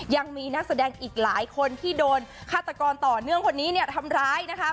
ยังมีนักแสดงอีกหลายคนที่โดนฆาตกรต่อเนื่องคนนี้เนี่ยทำร้ายนะคะ